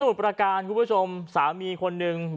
สมุดประการคุณผู้ชมสามีคนนึง